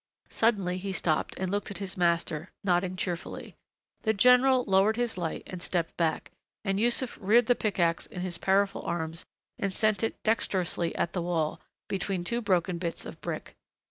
Suddenly he stopped and looked at his master, nodding cheerfully. The general lowered his light and stepped back and Yussuf reared the pickaxe in his powerful arms and sent it dexterously at the wall, between two broken bits of brick.